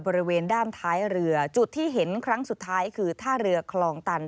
บริเวณด้านท้ายเรือจุดที่เห็นครั้งสุดท้ายคือท่าเรือคลองตัน